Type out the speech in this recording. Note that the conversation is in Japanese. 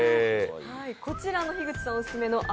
こちら、樋口さんオススメの味